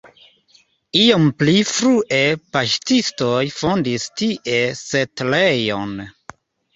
Iom pli frue paŝtistoj fondis tie setlejon.